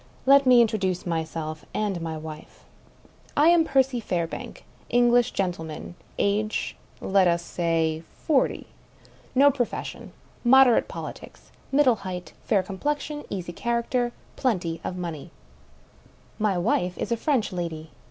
Let me in troduce myself and my wife. I am Percy Fairbank — English gentleman — ^age (let us say) forty — no profession — moderate politics — middle height — ^fair complexion — easy character — plenty of money. 213 English Mystery Stories My wife is a French lady.